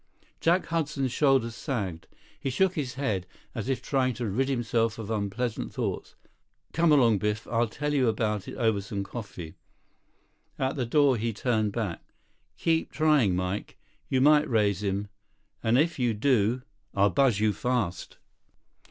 Jack Hudson's shoulders sagged. He shook his head as if trying to rid himself of unpleasant thoughts. "Come along, Biff. I'll tell you about it over some coffee." At the door, he turned back. "Keep trying, Mike. You might raise him. And if you do—" "I'll buzz you fast."